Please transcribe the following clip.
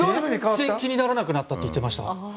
全然気にならなくなったって言ってました。